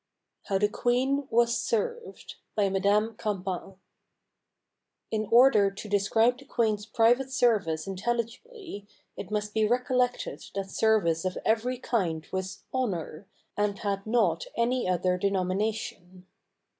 HOW THE QUEEN WAS SERVED BY MADAME CAMPAN In order to describe the queen's private service intelli gibly, it must be recollected that service of every kind was honor, and had not any other denomination.